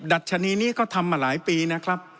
ดัชนีนี้ก็ทำมาหลายปีนะครับ